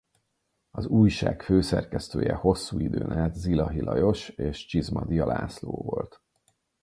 Az újság főszerkesztője hosszú időn át Zilahy Lajos és Csizmadia László volt.